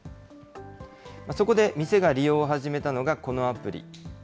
そこで、店が利用を始めたのがこのアプリ。